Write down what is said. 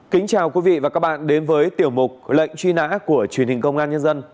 kính chào quý vị và các bạn đến với tiểu mục lệnh truy nã của truyền hình công an nhân dân